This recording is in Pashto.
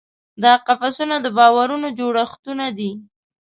دا قفسونه د باورونو جوړښتونه دي.